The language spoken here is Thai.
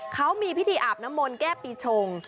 เขามีพิธีอาบน้ำมนต์แก้ปีชง